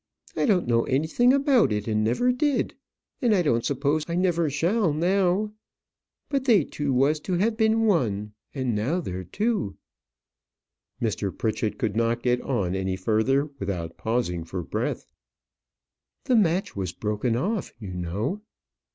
I don't know anything about it, and never did; and I don't suppose I never shall now. But they two was to have been one, and now they're two." Mr. Pritchett could not get on any further without pausing for breath. "The match was broken off, you know."